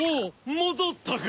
もどったか！